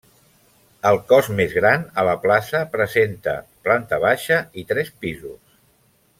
El cos més gran, a la plaça, presenta planta baixa i tres pisos.